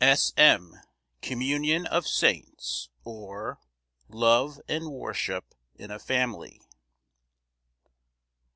S. M. Communion of saints; or, Love and worship in a family.